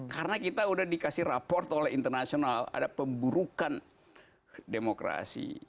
karena kita udah dikasih raport oleh internasional ada pemburukan demokrasi